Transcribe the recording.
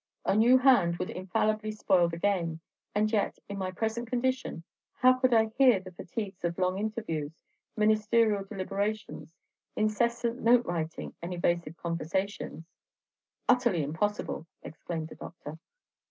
A new hand would infallibly spoil the game; and yet, in my present condition, how could I hear the fatigues of long interviews, ministerial deliberations, incessant note writing, and evasive conversations?" "Utterly unpossible!" exclaimed the doctor.